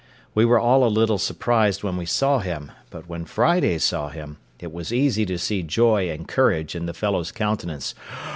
We were all a little surprised when we saw him; but when Friday saw him, it was easy to see joy and courage in the fellow's countenance.